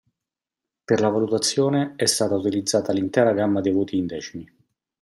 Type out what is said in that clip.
Per la valutazione è stata utilizzata l'intera gamma dei voti in decimi.